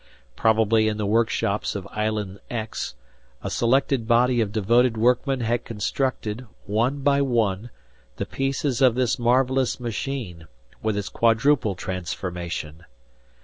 Probably in the workshops of Island X, a selected body of devoted workmen had constructed, one by one, the pieces of this marvelous machine, with its quadruple transformation.